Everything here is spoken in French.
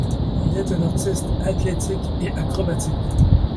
Il est un artiste athlétique et acrobatique.